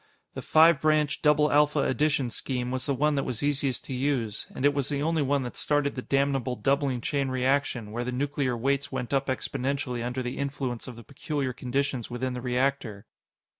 The five branch, double alpha addition scheme was the one that was easiest to use and it was the only one that started the damnable doubling chain reaction, where the nuclear weights went up exponentially under the influence of the peculiar conditions within the reactor.